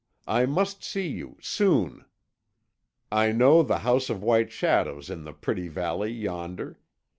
I must see you soon. I know the House of White Shadows in the pretty valley yonder.